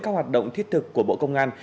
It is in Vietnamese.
các hoạt động thiết thực của bộ công an